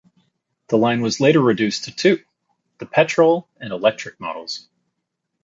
The line was later reduced to two: the Petrol and Electric models.